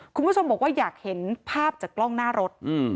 คุณผู้ชมบอกว่าอยากเห็นภาพจากกล้องหน้ารถ